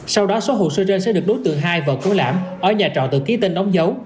sau đó số hồ sơ trên sẽ được đối tượng hai vợ cứu lãm ở nhà trọ tự ký tên đóng dấu